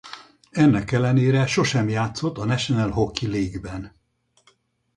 Ennek ellenére sosem játszott a National Hockey League-ben.